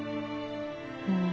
うん。